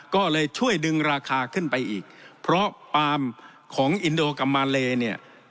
ก็เลยช่วยดึงราคาขึ้นไปอีกเพราะปาล์มของอินโดกับมาเลเนี่ย